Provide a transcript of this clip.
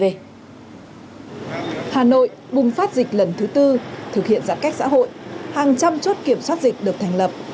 hà nội bùng phát dịch lần thứ tư thực hiện giãn cách xã hội hàng trăm chốt kiểm soát dịch được thành lập